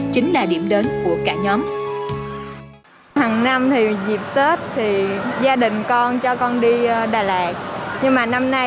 chính là điểm đến của cả nhóm